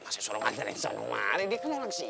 masih suruh ngantarin selalu mari dia kan orang sibuk